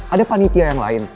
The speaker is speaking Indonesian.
ada panitia yang lain